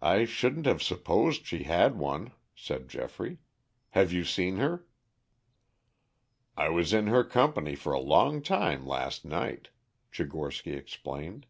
"I shouldn't have supposed she had one," said Geoffrey. "Have you seen her?" "I was in her company for a long time last night," Tchigorsky explained.